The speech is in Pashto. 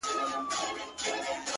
د خدای لاسونه ښکلوم ورته لاسونه نيسم”